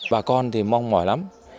bà con thì mong mỏi lắm